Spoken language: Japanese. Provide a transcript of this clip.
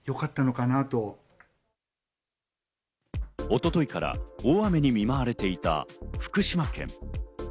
一昨日から大雨に見舞われていた福島県。